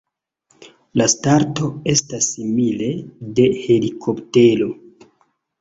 La starto estas simile de helikoptero.